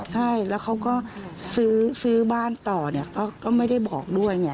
ใช่แล้วเขาก็ซื้อบ้านต่อเนี่ยก็ไม่ได้บอกด้วยไง